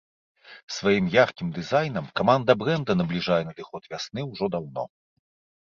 Сваім яркім дызайнам каманда брэнда набліжае надыход вясны ўжо даўно.